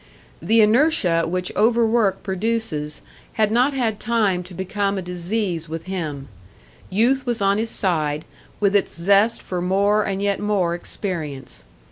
The inertia which overwork produces had not had time to become a disease with him; youth was on his side, with its zest for more and yet more experience.